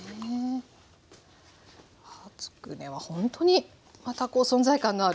つくねはほんとにまたこう存在感のある。